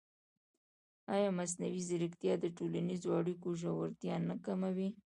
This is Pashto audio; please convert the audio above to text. ایا مصنوعي ځیرکتیا د ټولنیزو اړیکو ژورتیا نه کموي؟